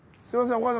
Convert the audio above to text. すみません